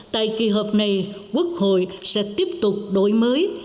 tại kỳ họp này quốc hội sẽ tiếp tục đối diện với các nội dung quan trọng